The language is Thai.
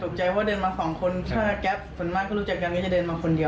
ตกใจว่าเดินมา๒คนถ้าแก๊บส่วนมากก็รู้จักกันก็จะเดินมาคนเดียว